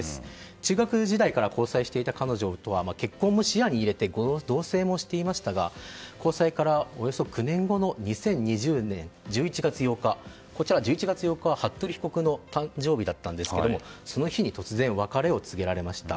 中学時代から交際していた彼女とは、結婚も視野に入れて同棲もしていましたが交際から、およそ９年後の２０２０年１１月８日１１月８日は服部被告の誕生日だったんですがその日に突然別れを告げられました。